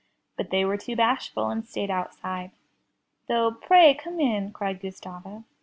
But they were too bashful, and stayed outside, Though 'Tray come in!" cried Gustava.